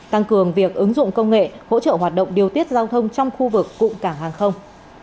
tăng cường việc ứng dụng công nghệ hỗ trợ hoạt động điều tiết giao thông trong khu vực cụm cảng hàng không